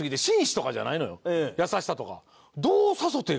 優しさとか。